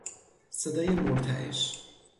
صدای مرتعش